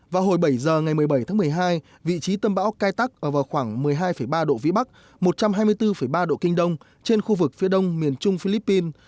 vào hồi bảy giờ ngày một mươi bảy tháng một mươi hai vị trí tâm bão cay tắc ở vào khoảng một mươi hai ba độ vĩ bắc một trăm hai mươi bốn ba độ kinh đông trên khu vực phía đông miền trung philippines